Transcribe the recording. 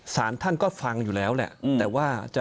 สารท่านก็ฟังอยู่แล้วแหละแต่ว่า